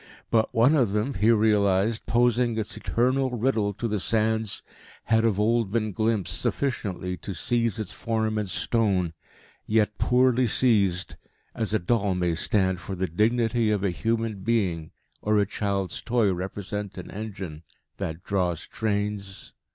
But, one of them, he realised, posing its eternal riddle to the sands, had of old been glimpsed sufficiently to seize its form in stone, yet poorly seized, as a doll may stand for the dignity of a human being or a child's toy represent an engine that draws trains....